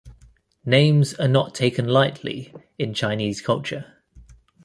Names are not taken lightly in Chinese culture.